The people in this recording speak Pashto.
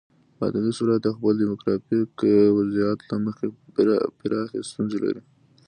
بادغیس ولایت د خپل دیموګرافیک وضعیت له مخې پراخې ستونزې لري.